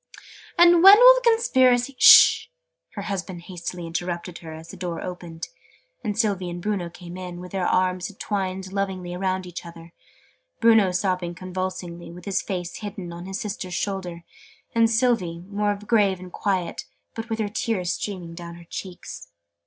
"And when will the Conspiracy " "Hist!', her husband hastily interrupted her, as the door opened, and Sylvie and Bruno came in, with their arms twined lovingly round each other Bruno sobbing convulsively, with his face hidden on his sister's shoulder, and Sylvie more grave and quiet, but with tears streaming down her cheeks.